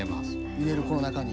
入れるこの中に。